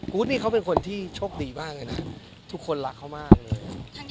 นี่เขาเป็นคนที่โชคดีมากเลยนะทุกคนรักเขามากเลย